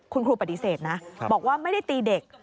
คุณครูปฏิเสธนะบอกว่าไม่ได้ตีเด็ก